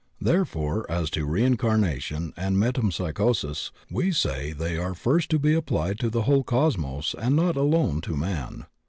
There fore as to reincarnation and metempsychosis we say that they are first to be applied to the whole cosmos and not alone to man.